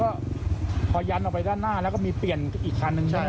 ก็พอยันออกไปด้านหน้าแล้วก็มีเปลี่ยนอีกคันนึงใช่ไหม